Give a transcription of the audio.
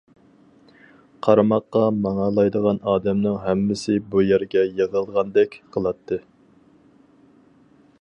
قارىماققا ماڭالايدىغان ئادەمنىڭ ھەممىسى بۇ يەرگە يىغىلغاندەك قىلاتتى.